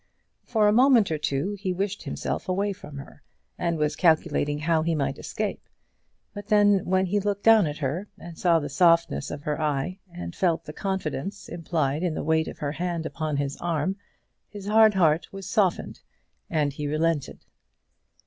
For a moment or two he wished himself away from her, and was calculating how he might escape. But then, when he looked down at her, and saw the softness of her eye, and felt the confidence implied in the weight of her hand upon his arm, his hard heart was softened, and he relented.